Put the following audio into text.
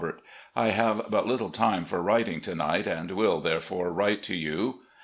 I have but little time for writing to night, and will, therefore, write to you.